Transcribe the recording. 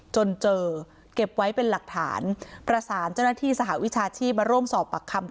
จนเจอเก็บไว้เป็นหลักฐานประสานเจ้าหน้าที่สหวิชาชีพมาร่วมสอบปากคำ